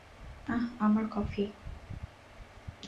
আহ, আমার কফি।